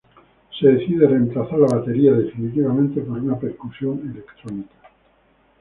Se decide reemplazar la batería definitivamente por una percusión electrónica.